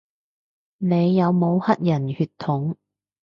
你有冇黑人血統